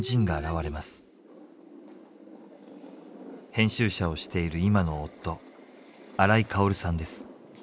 編集者をしている今の夫荒井カオルさんです。